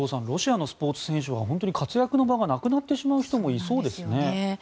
ロシアのスポーツ選手は本当に活躍の場がなくなってしまう人もいそうですよね。